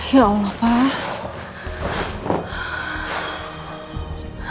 ya allah pak